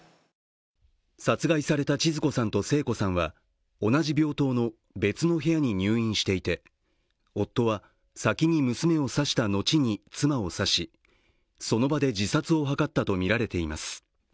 殺害されたちづ子さんと聖子さんは同じ病棟の別の部屋に入院していて夫は先に娘を刺した後に妻を刺し、その場で自殺を図ったとみられています。